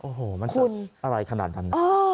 โอ้โฮมันจะอะไรขนาดนั้นคุณอ๋อ